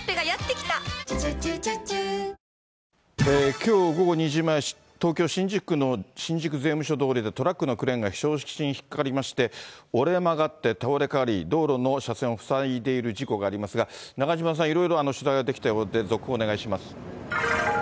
きょう午後２時前、東京・新宿区の新宿税務署通りでトラックのクレーンが標識に引っ掛かりまして、折れ曲がって倒れかかり、道路の車線を塞いでいる事故がありますが、中島さん、いろいろ取材ができたようで、続報をお願いします。